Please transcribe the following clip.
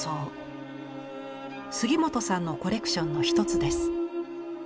杉本さんのコレクションの一つです。